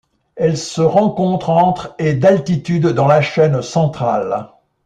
Elle se rencontre entre et d'altitude dans la chaîne Centrale.